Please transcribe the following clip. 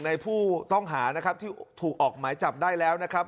ในผู้ต้องหาที่ถูกออกไหมจับได้แล้วครับ